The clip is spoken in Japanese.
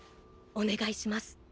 お願いします。